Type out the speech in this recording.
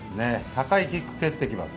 高いキックを蹴ってきます。